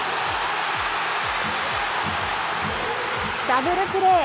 ダブルプレー。